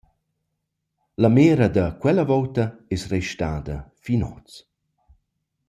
La mera da quella vouta es restada fin hoz.